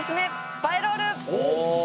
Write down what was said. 映えロール。